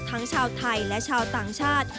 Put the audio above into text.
ทั้งชาวไทยและชาวต่างชาติ